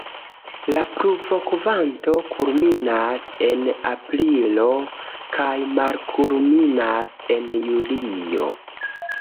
La pluvokvanto kulminas en aprilo kaj malkulminas en julio.